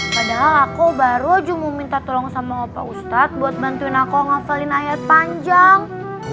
padahal aku baru aja mau minta tolong sama pak ustadz buat bantuin aku ngafalin ayat panjang